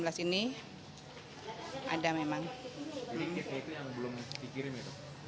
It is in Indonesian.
jadi kitnya itu yang belum dikirim ya